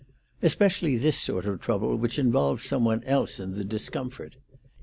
"Especially this sort of trouble, which involves some one else in the discomfort."